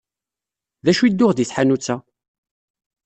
D acu i d-tuɣ deg tḥanut-a?